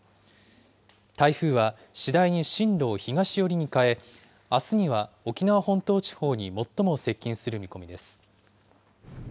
台風は次第に進路を東寄りに変え、あすには沖縄本島地方に最も接近する見込みです。